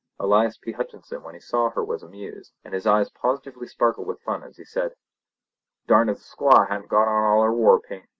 Elias P. Hutcheson when he saw her was amused, and his eyes positively sparkled with fun as he said: "Darned if the squaw hain't got on all her war paint!